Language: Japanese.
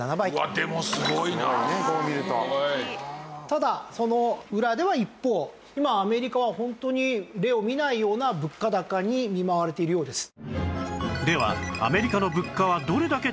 ただその裏では一方今アメリカはホントに例を見ないような物価高に見舞われているようです。